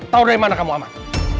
tahu dari mana kamu aman